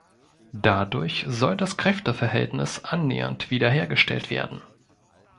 Dadurch soll das Kräfteverhältnis annähernd wiederhergestellt werden.